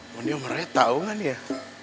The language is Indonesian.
mondi sama raya tahu kan ya